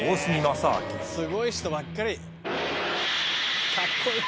すごい人ばっかり。